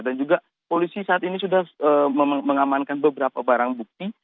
juga polisi saat ini sudah mengamankan beberapa barang bukti